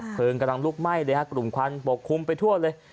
เพลิงกำลังลุกไหม้เลยครับกลุ่มควันปกคลุมไปทั่วเลย